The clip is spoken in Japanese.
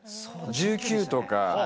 １９とか。